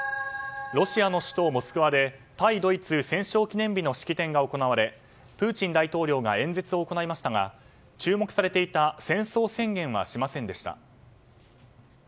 ロシアの首都モスクワで対ドイツ戦勝記念日の式典が行われプーチン大統領が演説を行いましたが注目されていた戦争宣言はしませんでした。